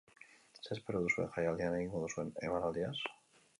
Zer espero duzue jaialdian egingo duzuen emanaldiaz?